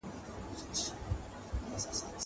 زه به اوږده موده سينه سپين کړی وم.